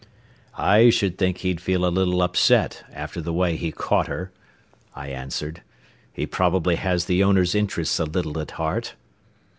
"I should think he'd feel a little upset after the way he caught her," I answered; "he probably has the owners' interests a little at heart."